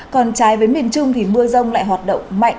còn trái với miền trung thì mưa rông lại hoạt động mạnh